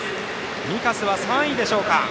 御家瀬は３位でしょうか。